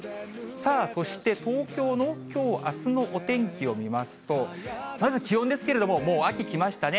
さあ、そして東京のきょう、あすのお天気を見ますと、まず気温ですけれども、もう秋来ましたね。